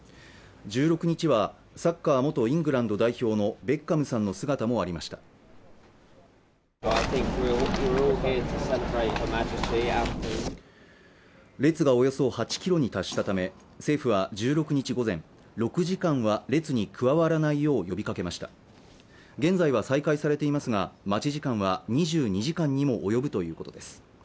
１６日はサッカー元イングランド代表のベッカムさんの姿もありました列がおよそ８キロに達したため政府は１６日午前６時間は列に加わらないよう呼びかけました現在は再開されていますが待ち時間は２２時間にも及ぶということです